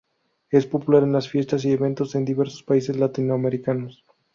Es popular en fiestas y eventos en diversos países latinoamericanos.